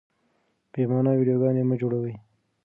بې مانا ويډيوګانې مه جوړوئ.